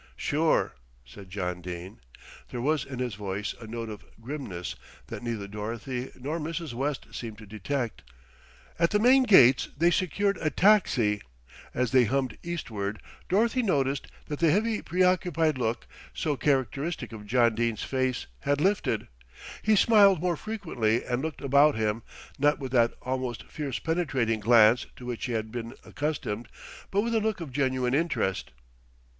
"Sure," said John Dene. There was in his voice a note of grimness that neither Dorothy nor Mrs. West seemed to detect. At the main gates they secured a taxi. As they hummed eastward, Dorothy noticed that the heavy preoccupied look, so characteristic of John Dene's face had lifted. He smiled more frequently and looked about him, not with that almost fierce penetrating glance to which she had been accustomed; but with a look of genuine interest.